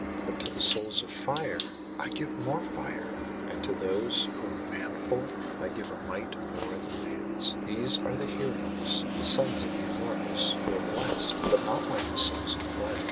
'But to the souls of fire I give more fire, and to those who are manful I give a might more than man's. These are the heroes, the sons of the Immortals, who are blest, but not like the souls of clay.